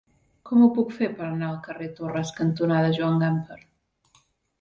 Com ho puc fer per anar al carrer Torres cantonada Joan Gamper?